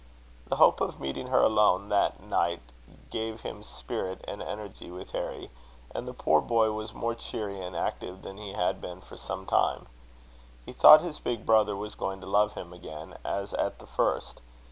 The hope of meeting her alone that night, gave him spirit and energy with Harry; and the poor boy was more cheery and active than he had been for some time. He thought his big brother was going to love him again as at the first.